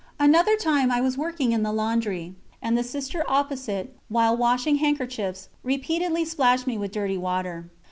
Another time I was working in the laundry, and the Sister opposite, while washing handkerchiefs, repeatedly splashed me with dirty water.